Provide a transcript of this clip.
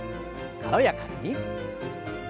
軽やかに。